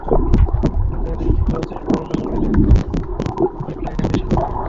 কিন্তু এখন বাস্তবতা হচ্ছে, কোনোভাবেই বাসা-বাড়িতে পাইপলাইনে গ্যাস সরবরাহ সম্ভব নয়।